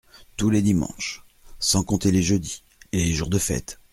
Tous les dimanches… sans compter les jeudis… et les jours de fête…